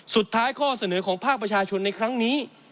ข้อเสนอของภาคประชาชนในครั้งนี้